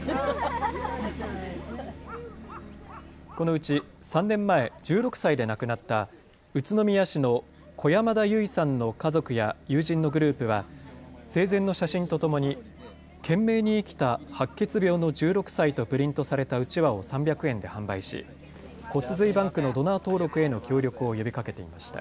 このうち３年前、１６歳で亡くなった宇都宮市の小山田優生さんの家族や友人のグループは生前の写真とともに懸命に生きた白血病の１６歳とプリントされたうちわを３００円で販売し骨髄バンクのドナー登録への協力を呼びかけていました。